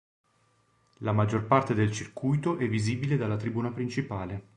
La maggior parte del circuito è visibile dalla tribuna principale.